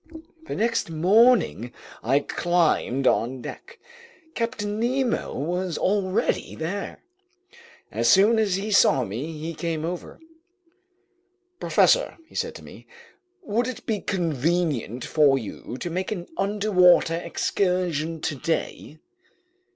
The next morning I climbed on deck. Captain Nemo was already there. As soon as he saw me, he came over. "Professor," he said to me, "would it be convenient for you to make an underwater excursion today?"